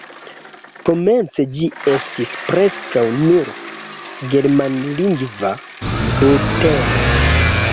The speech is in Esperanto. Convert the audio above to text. Komence ĝi estis preskaŭ nur germanlingva bulteno.